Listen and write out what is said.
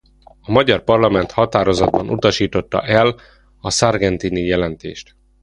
A magyar parlament határozatban utasította el a Sargentini-jelentést.